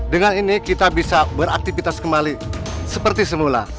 dengan ini kita bisa beraktivitas kembali seperti semula